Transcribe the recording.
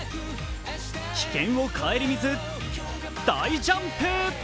危険をかえりみず大ジャンプ。